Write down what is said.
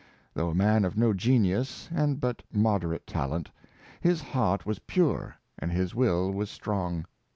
Though a man of no genius and but moderate talent, his heart was pure and his will was strong.